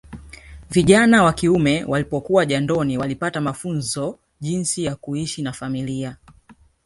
Vijana wa kiume walipokuwa jandoni walipata mafunzo jinsi ya kuishi na familia